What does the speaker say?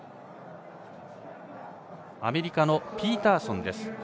アメリカのピーターソンです。